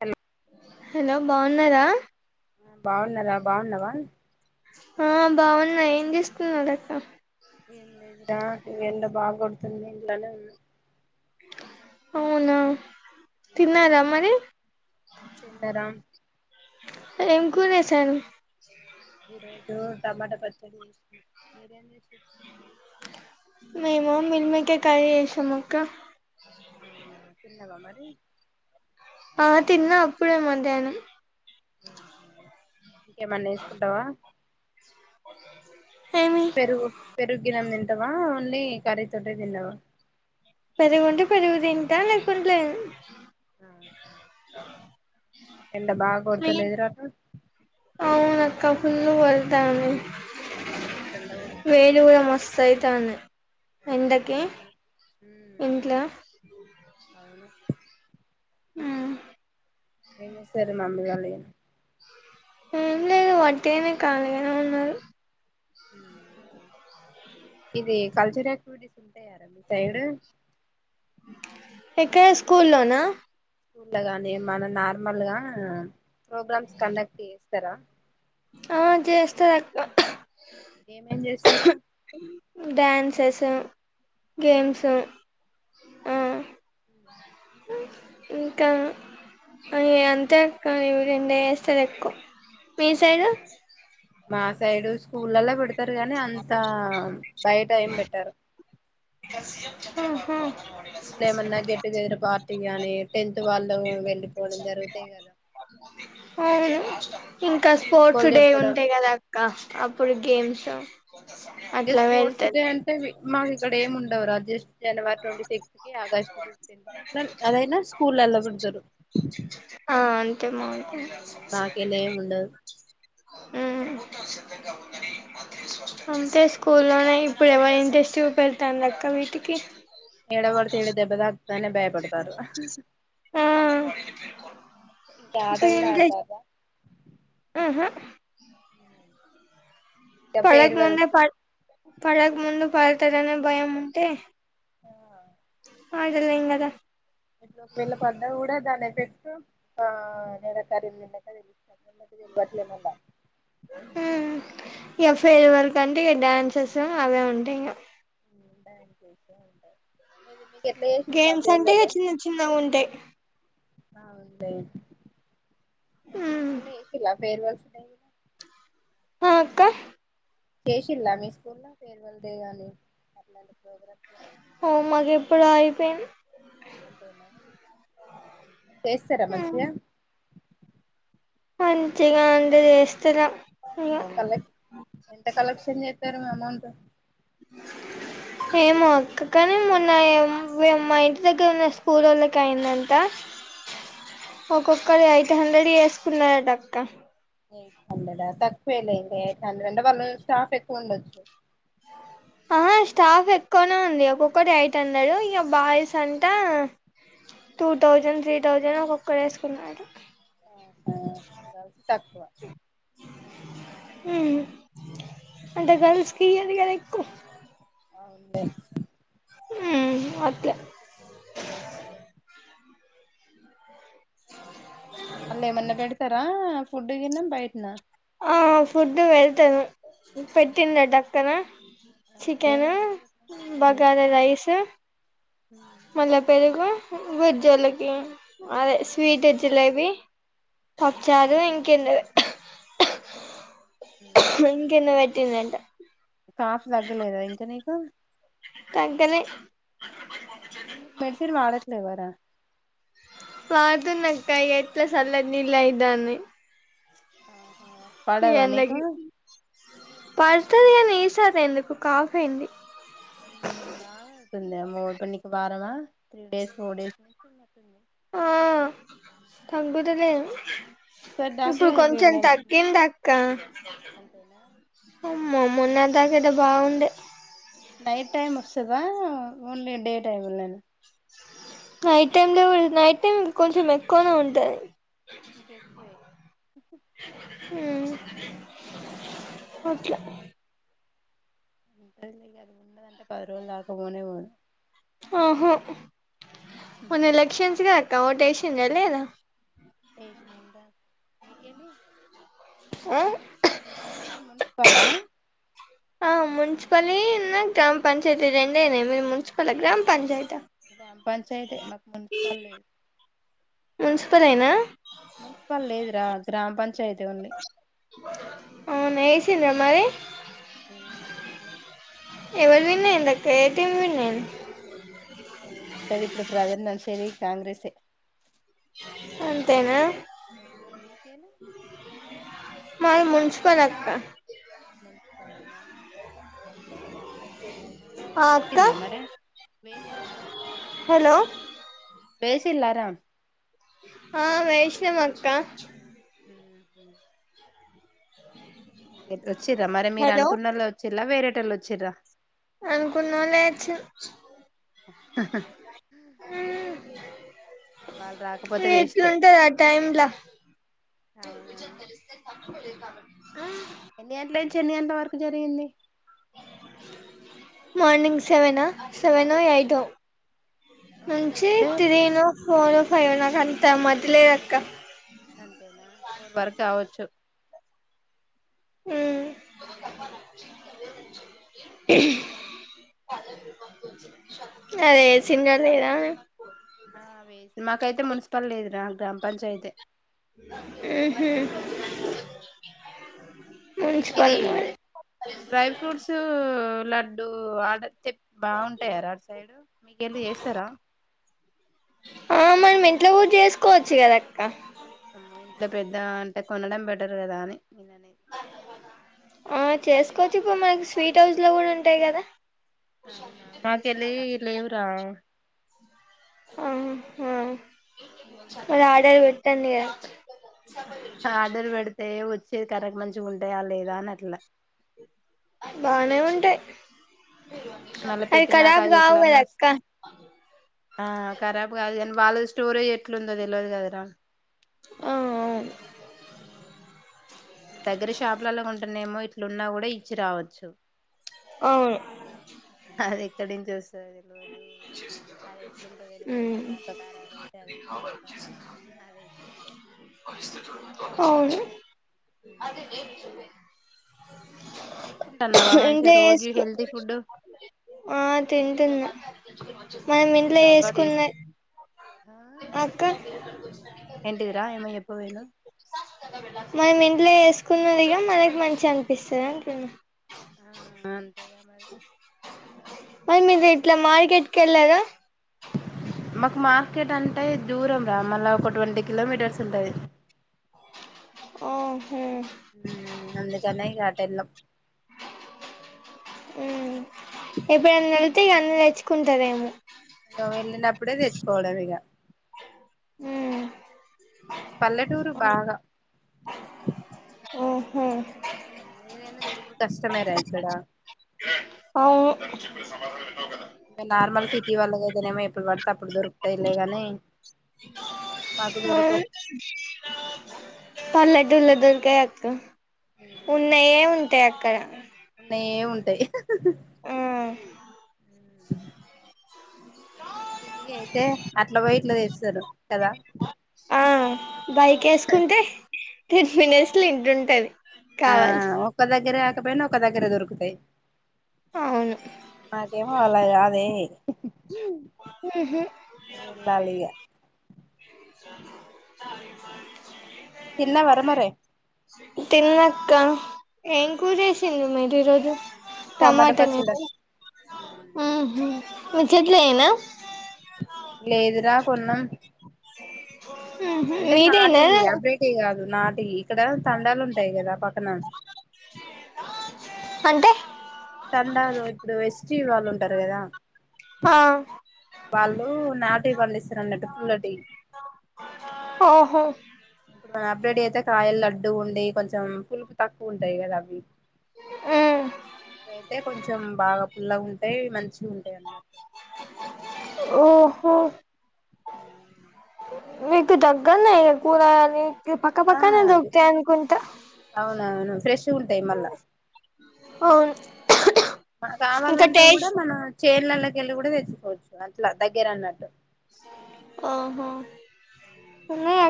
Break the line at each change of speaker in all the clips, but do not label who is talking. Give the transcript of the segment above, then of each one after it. Hello
hello బాగున్నారా
ఆ బాగున్నారా బాగునవ
ఆ బాగున్నా ఏం చేస్తున్నారు అక్క
ఆ ఎండ బాగా కొడుతుంది ఎట్లనో ఏ
అవునా తిన్నారా మరి
తన్నరా
ఏం కూర చేశారు.
ఈ రోజు టమాటా పచ్చడి చేసిన మీరేం చేసిండ్రు.
మేము మిల్ మేకర్ కర్రీ చేసాము అక్క.
అవునా తిన్నావా మరి
ఆ తిన్నా అప్పుడే మధ్యాహ్నం
ఓహో ఇంకేమన్నా ఏసుకుంటావా
ఏమి
పెరుగు పెరుగాని తిం తింటవా ఓన్లీ కర్రీ తొటె తిన్నవా
పెరుగుంటె పెరుగుదింటా లేకుంటే లేద్
ఆహా, ఎండ బాగొడతలేదరా అటూ
అవునక్క ఫుల్లు గొడతాంది.
ఆ మస్త్ఎండ కొడుతుంది. బయట
మస్తు అయితాంది
ఆ
ఎండకి
అవును ఊ
ఇంట్లో
అవును
మ్
ఏం చెస్తారు మమ్మీ వాళ్ళెం
ఏంలేదు వట్టిగనే కాలిగనే ఉన్నారు.
హ్మ్ ఇదే కల్చరల్ యాక్టివిటీస్ ఉంటాయారా మీ సైడ్
ఎక్కడ స్కూల్లోనా
ఉళ్ళొగానీ ఏమనా నార్మల్గా ప్రోగ్రామ్స్ కండక్ట్ చేస్ స్తార
ఆ జేస్తరు అక్కా
ఏమేం చేస్తార్ రా
డ్యాన్సెస్
ఉమ్
గేమ్స్ ఆ
ఇంకా
ఆ అవి అంతే అక్క రెండె చేస్తరు ఎక్కువ్ చైగ
అవునా మా సైడు స్కూలల్లో పెడతరు గానీ అంతా బయట ఏం పెట్టరు
ఆహా
ఊర్లో ఏమన్నా గెట్టుగెదర్ పా ర్టీగానే టెంత్ వాళ్లు వెల్
అవును ఇంకా స్పోర్ట్స్
వీడ్కోలు
డే
చెప్పడం
ఉంటయి కదా అక్క అప్పుడు
ఆ
గేమ్స్ అట్లా వెళ్తద్.
ఇక్కడేం ఉండవురా జస్ట్ జనవరి ట్వంటీ సిక్స్త్ కి ఆగస్ట్ ఫిఫ్టీన్త్ కి అట్ల అవైనా స్కూలల్లో పెడ్తారు.
ఆ అంతే మాకు
ఉమ్ మాకీలేమ్ ఉండవ్.
హ్మ్ అంతే స్కూల్లోనే ఇప్పుడు ఎవరి ఇంట్రెస్ట్ పెడతాండ్రు అక్క వీటికి.
ఏడ పడితే ఏడ దెబ్బదాక్. దాన్నే భయపడతారు.
ఆ
ఇంకా ఆట
ఇప్పుడు
కూడా ఆడతార్రా.
ఆహ.
ఇంకా
పడక
ఫేర్వెల్
ముందే ప
కి
పడక ముందు పడతరనే భయం ఉంటే
ఆ
ఆగలేం కదా
ఒక వేళ్ళ పడ్డా కూడా దాని ఎఫెక్ట్ ఆ నెర కరీక [unintelligible]
హ్మ్ ఇగ ఫేర్వెల్ కంటే ఇక డ్యాన్సెస్ దో అవే ఉంటాయి ఇగ
[inaudible]
గేమ్స్ అంటే
ఫేర్వెల్
చిన్న చిన్నవి ఉంటయి
ఆ ఉందే మీకు చేసిన్ర ఫేర్వెల్
ఆ అక్క
చేసిల్లా మీ స్కూల్ లో ఫేర్వెల్ డే గాని ప్రోగ్రామ్స్ ఏమన్నా
ఓ మాగెప్పుడో అయిపోయిన్
అంతేనా చేస్తార మంచిగా
అంతేగాండి చేస్తల
కలె ఎంత కలెక్షన్ చేస్తారు మ్యా దంతే
ఏమో అక్క కానీ మొన్న మా ఇంటి దగ్గర ఉన్న స్కూలోళ్ళకి అయిందంట
ఆ
ఒక్కొక్కరు ఎయిట్ హండ్రెడ్ చేస్కున్నారటక్క
ఎయిట్ హండ్రెడా తక్కువేలే ఇంకా ఎయిట్ హండ్రెడ్ అంటే వాళ్ళు స్టాఫ్ ఎక్కువ ఉండచ్చు
ఆహా స్టాఫ్ ఎక్కువనే ఉంది ఒక్కొక్కరు ఎయిట్ హండ్రెడ్ ఇక బాయ్స్ అంటా టూ థౌజండ్ త్రీ థౌజండ్ ఒక్కొక్కరు వేసుకున్నారు
ఆహా గర్ల్స్ తక్కువ
ఉహు అంటే గర్ల్స్కి ఇయ్యది కద ఎక్కువ
అవునులే
ఉమ్మ్‌ అ
తక్కువే [inaudible] అల్లెమన్నా పెడతారా ఫుడ్ గిన్నా బయటనా
ఆ ఫుడ్ వెడ్తను పెట్టిండక్కనా చికెను
ఏమేమి పెట్టారు
బగారా రైసు మళ్ళా పెరుగు హు వెజ్జోల్లకి అదే స్వీట్ జిలేబీ పప్చారు ఇంకే [inaudible] ఇంకెందో పెట్టిన్దంట
కాఫ్ తగ్గలేదా ఇంక నీకు
తగలే
ఎందుకు మెడిసిన్ వాడట్లేవరా
వాడ్తునక్కా ఎట్లా సల్లన్ నిలైతన్నాయ్
ఆ
ఎండకి పడ్స్ తు [unintelligible] ఎందుకు కఫ్ అయింది
మ్మ్ బాగా తుందేమో కాన్ నీక్ బారమా
ఆ
ఉమ్
తగ్గుతలేద్
ఒకసారి డాక్టర్
ఇప్పుడు
దగ్గరికి
కొంచెం
వెళ్ళాల్సింది
తగ్గింది అక్క
అంతేనా
అమ్మో మొన్నట్ దాకైతే బాగుండే
నైట్ టైమ్ వస్తదా ఓన్లీ డే టైమే నా
నైట్ టైమ్ లో నైట్ టైం కొంచెం ఎక్కువ ఉంటాది
ఇంకెక్కువే
హ్మ్ ఒకే
ఉంటద్లే ఇగా ఉన్నదంటే పది రోజులు దాకా పోనే పోద్
ఆహా మొన్న ఎలక్షన్స్ గ ఓటేషిందా లేదా
ఏషినం రా మీకెలి
ఆ
ఏంటిది మున్సిపాలా
ఆ మున్సిపలీ న్న గ్రామ పంచాయతీ రెండేనే మీరు మున్సిపల్ గ్రామ పంచా
గ్రామ పంచాయతే మాకు మున్సిపల్ లే
మున్సిపలేనా
మున్సిపల్ లేదురా గ్రామ పంచాయతీ ఉంది
తింద్రా మరి
హ్మ్ వేసిన
ఎవలు విన్ అయ్యిందక్కా ఏ టీమ్ విన్ అయ్
ఏముంటది ఇప్పుడు ప్రధర్ నడిసేది కాంగ్రెసె
అంతేనా
హ్మ్ మీకేళి
మాది మున్సిపల్ అక్కా
మున్సిపలేనా [inaudible]
ఆ అక్క
వేసిల్లా మరి వేసిల్లా
హలో
వేసిల్లా రా
ఆ వేసినం అక్క
ఊహూ ఐతే వచ్చిర్రా మరి మీరు
హలో
అనుకున్నోలే వచ్ జిల్లా వేరేటోళ్ళు వచ్చిర్రా
అనుకున్నోళ్ళే అచ్చిర్ ఊ
ఇంక వాళ్ళు రాకపోతే వేస్టే
ఎట్లుంటది ఆ టైమ్లా
అవునవును
ఉమ్
ఎన్ని గంటల నుంచి ఎన్ని గంటల వరకు జరిగింది
మార్నింగ్ సెవెను సెవెనో ఎయిటో
ఆ
నుంచి
ఎండ్
త్రీ ను ఫోరో ఫైవో నాకు అంత మదిలేదక్క
అంతేనా ఫోర్ వరకావచ్చు
మ్మ్ అరే
ఇది
సింగలేనా
వేస్ మాకైతే మున్సిపల్ లేదురా గ్రామ పంచాయితే
మ్మ్ హ్మ్
ఇది డ్రై ఫ్రూట్సు లడ్డు ఆడతే బాగుంటాయార అటు సైడు మీకెళ్ళి చేస్తారా
ఆ మనం ఇంట్లో కూడా చేసుకోవచ్చు కదక్క
ఇంత పెద్ద అంటే కొనడం బెటర్ కదా అని మ్మ్
ఆ చేసుకోవచ్చు ఇప్పు మనకి స్వీట్ హౌస్ లో కూడా ఉంటాయి కదా
మాకెళ్ళి లేవురా
ఆ ఆ మరి ఆర్డర్ పెట్ ట్టండి గ
ఆర్డర్ పెడితే ఒచ్ చేతి ఖరబ్ మంచిగుంటయా లేదా అని అట్లా
బానే ఉంటయి
ఊ మళ్ళా పెట్టినాక అది
కావు కదా
ఎట్లన్నా
అక్క
వస్తే ఆ కరాబ్ కాదు గాని వాళ్ళ స్టోరేజ్ ఎట్లుందో తెలివదు కదరా
ఔ ఔ
[inaudible] దగ్గర షాప్ లల్లో కొంటేనేమో ఇట్లున్నా కూడా ఇచ్చి రావచ్చు
అవును
అది తడింజెస్ తే తెల్వదు అది ఎట్లుంటో తెలిదు వచ్చి నాక ఖరాబ్ అయితే అది ఇంకా పెద్ద అదైతు
అవును
తీసుకుంటాన్నావా మంచిగా
ఇంట్లో
రోగీ
చేసుకు
హెల్తీ ఫుడ్
ఆ తింటున్నా మనం
ఎగ్స్
ఇంట్లో
అలవాటు చేసు
ఏసుకున్నే
ఆ
అక్క
ఏంటిదిరా ఏమో చెప్పబోయినవ్
మని ఇంట్లో చేసుకున్నదిగా మనకి మంచిగా అనిపిస్తది అంటున్న
ఆ అన్
మరి మీది ఇట్లా మార్కెట్కి ఏళ్ళారా
మాకు మార్కెట్ అంటే దూరం రా మల్ల ఒక ట్వంటీ కిలోమీటర్స్ ఉంటది.
ఓ హు
హ్మ్ మ్ అందుకనే ఇగ అటేలం
ఉమ్ ఎప్పుడన్నా అడిగితే ఇగ అన్ని తెచ్ కుంటరేమో
[unintelligible] వెళ్ళినప్పుడే తెచ్చుకోవడం ఇగ
హ్మ్
పల్లెటూరు బాగ
హ్మ్
మ్మ్ ఏదైన దొరుకుడు కష్టమేరా ఇక్కడ
అవ్వు
ఇగ నార్మల్ సిటీ వాళ్లకైతేనేమీ ఎప్పుడు పడితే అప్పుడు దొరుకుతాయ్ లేగాని మాకు దొరుకవు.
పల్లెటూర్లో దొరకై అక్క ఉన్నాయే ఉం తే అక్కడా
నే ఉంటాయి.
మ్
సిటీ అయితే అట్ల పోయి ఇట్ల తెస్తరు కదా
ఆ బైక్ ఏస్కుంటే టెన్ మినిట్స్లో ఇంటుంటది. కావాలి
ఆహ్ ఒక్క దగ్గరే కాకపోయినా ఒక దగ్గర దొరుకుతయి.
అవును
నాకేమో అలా కాదే
మ్ హ్
వెళ్ళాలి ఇగ తిన్నావారా మరే
తిన్న అక్క ఏం కూర చేేసింరు మీరు ఈ రోజు
టమాటా
టమాటనా
పచ్చడా
మ్ హ్ మీ చెట్లయేన
లేదురా కొన్నాం. అంటే
మీదేనా
అబ్రేటివి కాదు నాటి ఇక్కడ తండాలుంటయి కదా పక్కన
అంటే
అండాలో ఇప్పుడు ఎస్టీ వాళ్ళు ఉంటారు కదా
ఆ
వాళ్ళు నాటి పండిస్తారన్నట్టు పుల్లటీ
ఓహో
అప్డేటి అయితే కాయలు లడ్డు ఉండి కొంచెం పులుపు తక్కువుంటయి కదా అవి
ఉమ్
వయితే కొం కొంచెం బాగా పుల్లగుంటాయి మంచిగుంటయి అన్నట్టు
ఓహో
[inaudible]
మీకు దగ్గర్నే కూరగా పక్క
ఆ
పక్కనే దొరుకుతాయి అనుకుంటా
అవునవును ఫ్రెష్గా ఉంటాయి మళ్ళా
అవును
మన
ఇంకా
కావాలంటే గుడా
టేస్ట్
మన చేన్లలకి కెళ్ళి గుడా తెచ్చుకోవచ్చు అట్ల దగ్గర అన్నట్టు
ఓహో ఉన్నాయా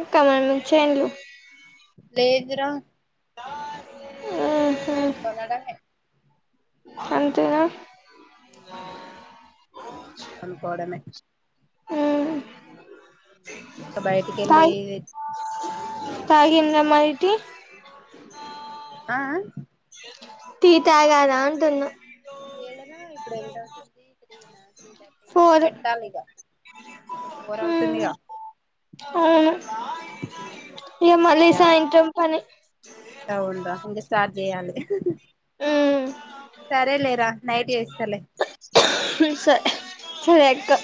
చేన్లు
లేదు రా
మ్
కొన్నాడమే
అంతేగా
హ్మ్ కోన్కోవడమే
హ్మ్
ఇంకా బయటికెళ్ళి
థాయ్ తాగింద
ఏంటిదిరా
మాయ్ టి
ఆ
తీ తాగార అంటున్నా
ఏళ్ళనా ఇప్పుడు ఎంత అవుతుంది. త్రి నా త్రీ [inaudible]
ఫోర్
పెట్టాలిగ ఫోర్
మ్మ్
అవుతుందిగా
అవును
ఉమ్
ఇగ
[inaudible]
మళ్ళీ
చెయ్యాలి
సాయంత్రం పని
అవును రా ఇంగ స్టా జెయ్యాలి
మ్మ్
సరేలే నైట్ ఏస్తా లే
సో సు ఎక్కో